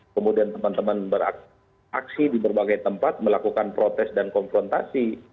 kemudian teman teman beraksi di berbagai tempat melakukan protes dan konfrontasi